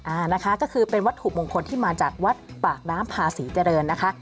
อ่านะคะก็คือเป็นวัตถุมงคลที่มาจากวัดปากน้ำพาศรีเจริญนะคะ